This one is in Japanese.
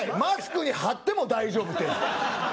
マスクに貼っても大丈夫です。